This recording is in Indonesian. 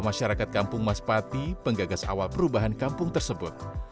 masyarakat kampung mas pati penggagas awal perubahan kampung tersebut